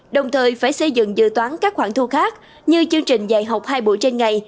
đồng thời phải xây dựng dự toán các khoản thu khác như chương trình dạy học hai buổi trên ngày